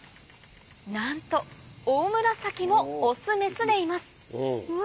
なんとオオムラサキもオスメスでいますうわ！